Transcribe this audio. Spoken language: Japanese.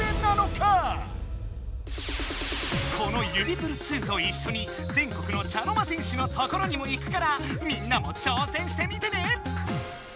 この指プル２といっしょに全国の茶の間戦士の所にも行くからみんなも挑戦してみてね！